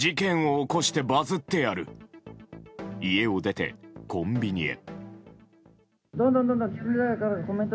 家を出てコンビニへ。